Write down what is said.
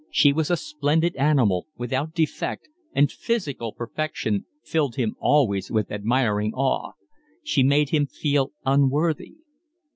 She was a splendid animal, without defect; and physical perfection filled him always with admiring awe. She made him feel unworthy.